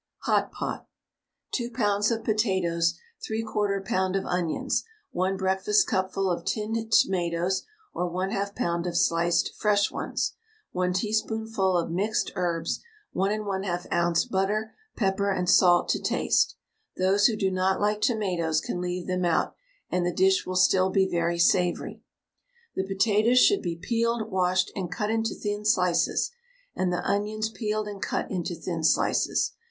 HOT POT. 2 lbs. of potatoes, 3/4 lb. of onions, 1 breakfastcupful of tinned tomatoes or 1/2 lb. of sliced fresh ones, 1 teaspoonful of mixed herbs, 1 1/2 oz. butter, pepper and salt to taste. Those who do not like tomatoes can leave them out, and the dish will still be very savoury. The potatoes should be peeled, washed, and cut into thin slices, and the onions peeled and cut into thin slices.